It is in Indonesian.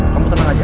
kamu tenang aja